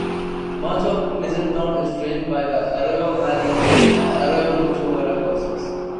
Much of Pleasanton is drained by the Arroyo Valle and Arroyo Mocho watercourses.